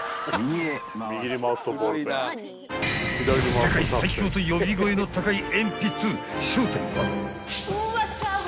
［世界最強と呼び声の高い鉛筆正体は？］